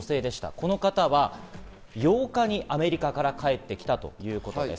この方は８日にアメリカから帰ってきたということです。